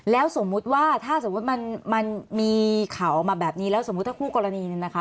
แล้วสมมุติว่าถ้าสมมุติมันมีข่าวออกมาแบบนี้แล้วสมมุติถ้าคู่กรณีเนี่ยนะคะ